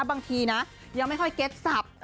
บางทีนะยังไม่ค่อยเก็ตสับ